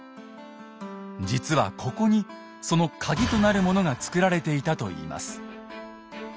実はここにそのカギとなるものが造られていたといいます。